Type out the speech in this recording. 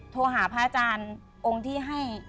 โทรหาพระอาจารย์องค์ที่ให้